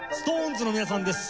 ＳｉｘＴＯＮＥＳの皆さんです。